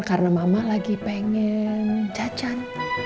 karena mama lagi pengen jajan